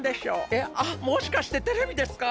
えっあっもしかしてテレビですか？